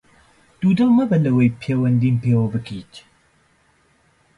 دوودڵ مەبە لەوەی پەیوەندیم پێوە بکەیت!